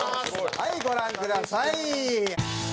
はいご覧ください。